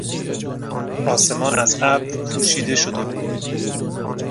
آسمان از ابر پوشیده شده بود.